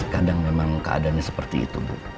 kadang memang keadaannya seperti itu bu